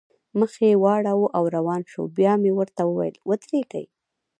مخ یې واړاوه او روان شول، بیا مې ورته وویل: ودرېږئ.